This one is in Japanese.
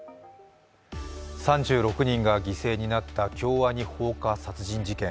３６人が犠牲になった京アニ放火殺人事件